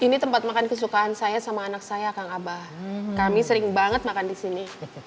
hai ini tempat makan kesukaan saya sama anak saya kang abah kami sering banget makan disini